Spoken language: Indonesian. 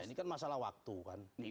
ini kan masalah waktu kan